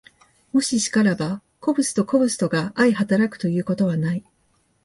もし然らば、個物と個物とが相働くということはない。